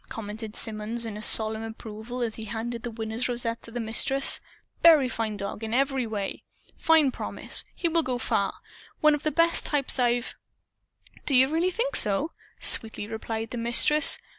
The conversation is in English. commented Symonds in solemn approval as he handed the Winner's rosette to the Mistress. "Fine dog in every way. Fine promise. He will go far. One of the best types I've " "Do you really think so?" sweetly replied the Mistress.